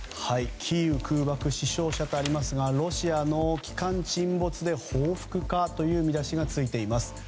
キーウ空爆死傷者とありますがロシアの旗艦沈没で報復かという見出しがついています。